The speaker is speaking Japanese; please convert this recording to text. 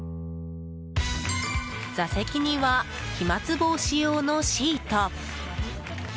座席には飛沫防止用のシート。